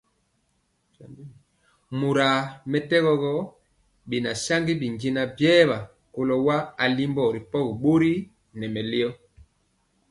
Mora mɛtɛgɔ gɔ, bɛna saŋgi bijɛna biena kɔlo wa alimbɔ ripɔgi bori nɛ mɛlɔ.